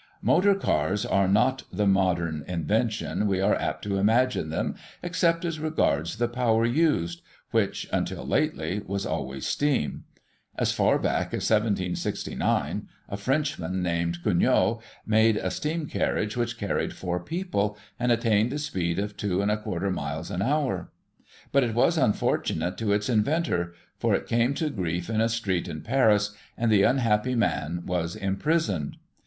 Motor cars are not the modem invention we are apt to imagine them, except as regards the power used — ^which, until lately, was always steam. As far back as 1769, a Frenchman, named Cugnot, made a steam carriage which carried four people, and attained a speed of two emd a quarter miles an hour! But it was unfortunate to its inventor — for it came to grief in a street in Paris, and the unhappy man was im prisoned.